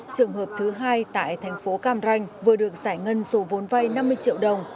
trường hợp thứ hai tại thành phố cam ranh vừa được giải ngân số vốn vay năm mươi triệu đồng